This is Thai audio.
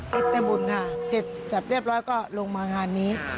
เต็มบุญค่ะเสร็จจับเรียบร้อยก็ลงมางานนี้